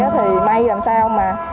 thì may làm sao mà